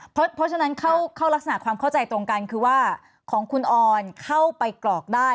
เพราะฉะนั้นเข้ารักษณะความเข้าใจตรงกันคือว่าของคุณออนเข้าไปกรอกได้